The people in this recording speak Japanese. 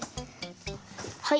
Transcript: はい。